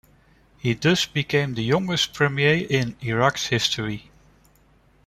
He thus became the youngest premier in Iraq's history.